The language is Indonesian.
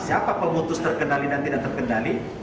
siapa pemutus terkendali dan tidak terkendali